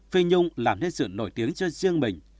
phi nhung làm nên sự nổi tiếng cho riêng mình